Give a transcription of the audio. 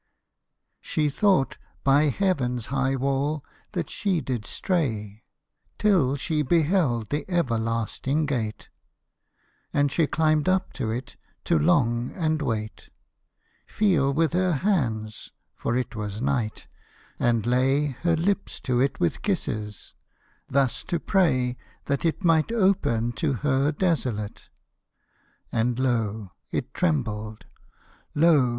She thought by heaven's high wall that she did stray Till she beheld the everlasting gate: And she climbed up to it to long, and wait, Feel with her hands (for it was night), and lay Her lips to it with kisses; thus to pray That it might open to her desolate. And lo! it trembled, lo!